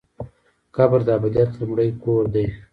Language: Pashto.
قبر د ابدیت لومړی کور دی